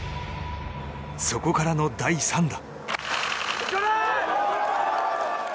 そこからの第３打。